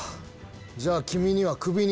じゃあ君にはクビに